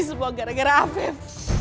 semua gara gara afif